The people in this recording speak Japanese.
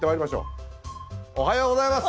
おはようございます。